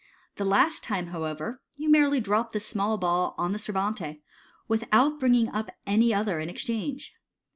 The last time, however, you merely drop the small ball on the servante, without bringing up any other in exchange.